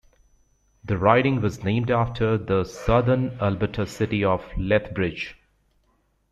The riding was named after the Southern Alberta city of Lethbridge.